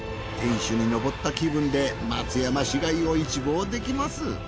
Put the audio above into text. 天守にのぼった気分で松山市街を一望できます。